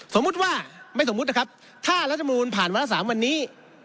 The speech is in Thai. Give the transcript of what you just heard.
สมมุติว่าไม่สมมุตินะครับถ้ารัฐมนูลผ่านวาระ๓วันนี้